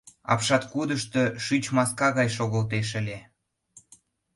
Апшаткудышто шӱч маска гай шогылтеш ыле...